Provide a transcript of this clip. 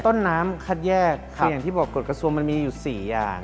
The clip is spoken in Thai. ต้นน้ำคัดแยกคืออย่างที่บอกกฎกระทรวงมันมีอยู่๔อย่าง